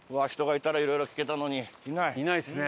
いないですね